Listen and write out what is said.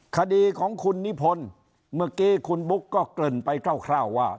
คดีของคุณนิพนธ์เมื่อกี้คุณบุ๊กก็เกริ่นไปคร่าวว่า